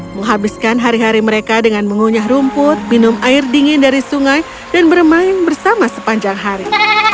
menghabiskan hari hari mereka dengan mengunyah rumput minum air dingin dari sungai dan bermain bersama sepanjang hari